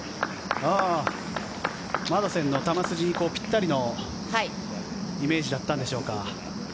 マドセンの球筋にぴったりのイメージだったんでしょうか。